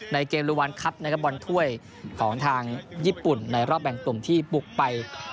ในเกมรุวันคลับนะครับบอลถ้วยของทางญี่ปุ่นในรอบแบ่งกลุ่มที่บุกไป